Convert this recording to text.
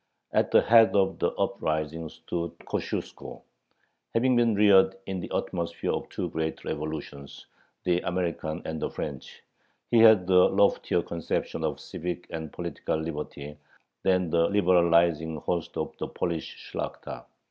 At the head of the uprising stood Kosciuszko. Having been reared in the atmosphere of two great revolutions the American and the French he had a loftier conception of civic and political liberty than the liberalizing host of the Polish Shlakhta.